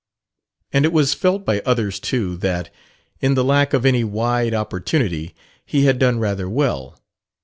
And it was felt by others too that, in the lack of any wide opportunity, he had done rather well.